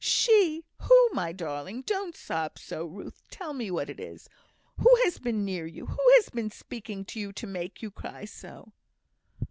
"She! Who, my darling? Don't sob so, Ruth; tell me what it is. Who has been near you? who has been speaking to you to make you cry so?"